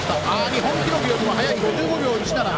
日本記録よりも早い５５秒１７。